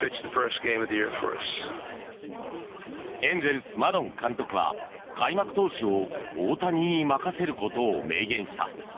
エンゼルス、マドン監督は開幕投手を大谷に任せることを明言した。